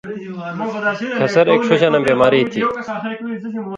کھسر ایک ݜُو شاناں بیماری تھی